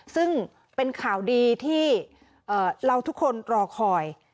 ซึ่งเป็นข่าวดีที่เราทุกคนรอคอย